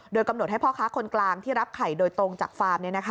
โดยกำหนดให้พ่อค้าคนกลางที่รับไข่โดยตรงจากฟาร์ม